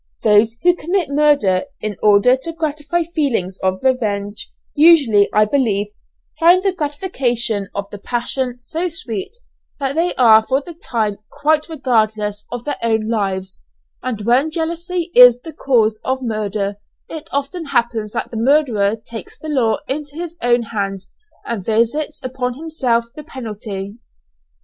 Those who commit murder in order to gratify feelings of revenge, usually, I believe, find the gratification of the passion so sweet that they are for the time quite regardless of their own lives; and when jealousy is the cause of murder, it often happens that the murderer takes the law into his own hands and visits upon himself the penalty.